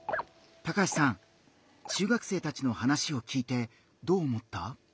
中学生たちの話を聞いてどう思った？